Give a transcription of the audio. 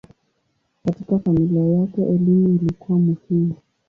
Katika familia yake elimu ilikuwa muhimu.